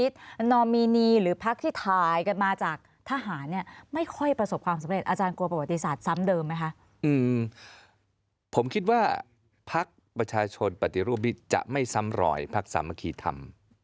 แต่ว่ามันมีประวัติศาสตร์มาพอสมควร